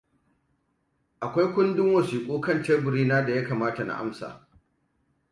Akwai kundin wasiƙu kan teburi na da ya kamata na amsa.